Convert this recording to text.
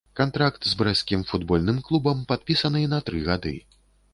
Кантракт з брэсцкім футбольным клубам падпісаны на тры гады.